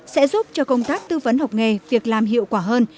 sẽ giúp cho công tác tư vấn học nghề việc làm hiệu quả hơn